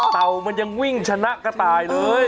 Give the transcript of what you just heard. เต่ามันยังวิ่งชนะกระต่ายเลย